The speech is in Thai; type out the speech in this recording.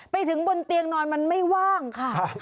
ไปถึงบนเตียงนอนมันไม่ว่างค่ะ